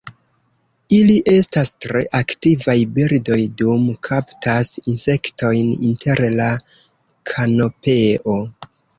Ili estas tre aktivaj birdoj dum kaptas insektojn inter la kanopeo.